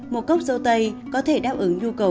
một cốc dâu tây có thể đáp ứng nhu cầu vitamin c